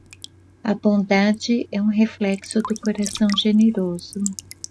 A bondade é um reflexo do coração generoso.